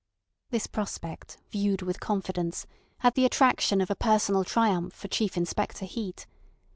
This prospect, viewed with confidence, had the attraction of a personal triumph for Chief Inspector Heat.